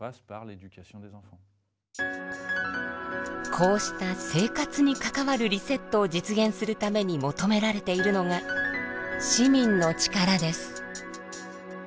こうした「生活に関わるリセット」を実現するために求められているのが「市民の力」です。